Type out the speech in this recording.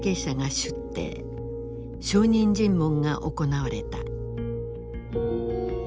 証人尋問が行われた。